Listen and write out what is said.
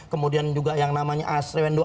kemudian juga yang namanya asrendu